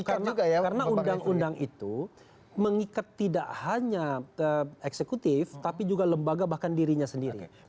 karena undang undang itu mengikat tidak hanya eksekutif tapi juga lembaga bahkan dirinya sendiri